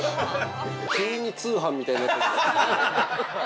急に通販みたいになった。